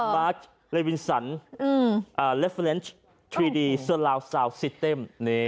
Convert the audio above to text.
มาร์คเลวินสันเลฟเวอร์เลนส์ทรีดีเซอร์ลาวซาวซิเต็ม